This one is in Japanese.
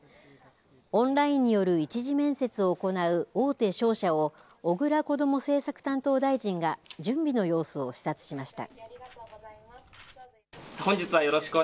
オンラインによる１次面接を行う大手商社を小倉こども政策担当大臣が準備の様子を視察しました。